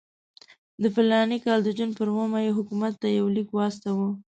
د فلاني کال د جون پر اوومه یې حکومت ته یو لیک واستاوه.